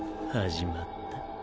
始まった。